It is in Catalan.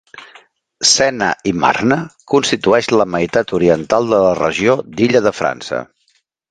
Sena i Marne constitueix la meitat oriental de la regió d'Illa de França.